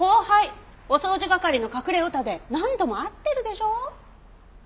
お掃除係の隠れオタで何度も会ってるでしょ？